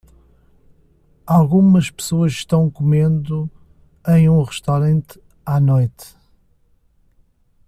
Algumas pessoas estão comendo em um restaurante à noite.